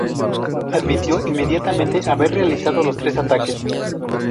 Admitió inmediatamente haber realizado los tres ataques.